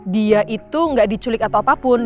dia itu nggak diculik atau apapun